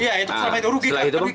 iya itu selama itu